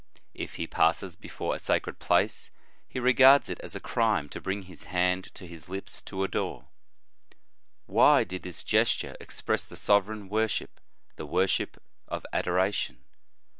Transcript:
If he passes before a sacred place, he regards it as a crime to bring his hand to o o his lips to adore. "f Why did this gesture express the sovereign worship, the worship of adoration